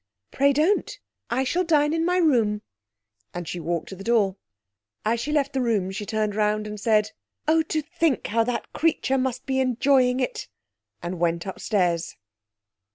'Pray don't. I shall dine in my room,' and she walked to the door. As she left the room she turned round and said 'Oh, to think how that creature must be enjoying it!' and went upstairs.